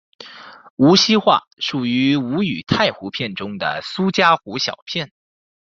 无锡话属于吴语太湖片中的苏嘉湖小片。